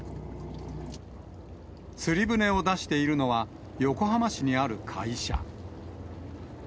釣り船を出しているのは、横浜市にある会社。